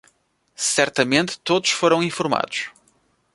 Certamente todos foram informados